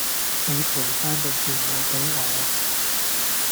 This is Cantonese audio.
你陪返部電腦畀我